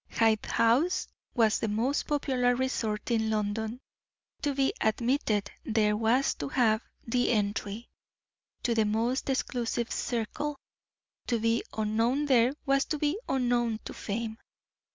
Hyde House was the most popular resort in London; to be admitted there was to have the entree to the most exclusive circle; to be unknown there was to be unknown to fame.